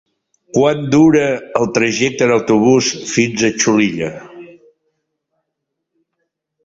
Quant dura el trajecte en autobús fins a Xulilla?